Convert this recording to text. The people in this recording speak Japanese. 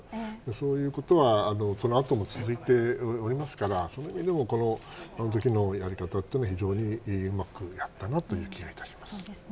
そういうことは、その後も続いておりますからその意味でもあのときのやり方は非常にうまかったなと思います。